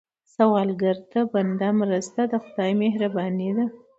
سوالګر ته بنده مرسته، د خدای مهرباني ده